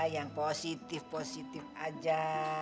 yang positif positif aja